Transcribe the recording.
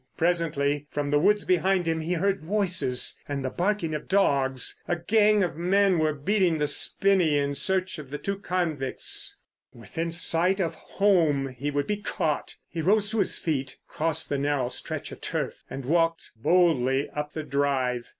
Presently from the woods behind him he heard voices and the barking of dogs. A gang of men were beating the spinney, searching for the two convicts. Within sight of home he would be caught. He rose to his feet, crossed the narrow stretch of turf and walked boldly up the drive.